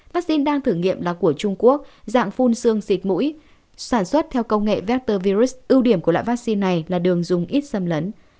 vaccine đang thử nghiệm là của trung quốc dạng phun xương xịt mũi sản xuất theo công nghệ vector virus ưu điểm của loại vaccine này là đường dùng ít xâm lấn